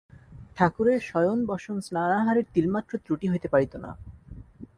ঠাকুরের শয়ন বসন স্নানাহারের তিলমাত্র ত্রুটি হইতে পারিত না।